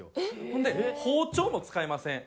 ほんで包丁も使えません。